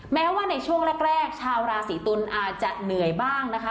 แม้ว่าในช่วงแรกชาวราศีตุลอาจจะเหนื่อยบ้างนะคะ